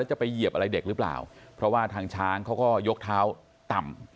จะไปเหยียบอะไรเด็กหรือเปล่าเพราะว่าทางช้างเขาก็ยกเท้าต่ำ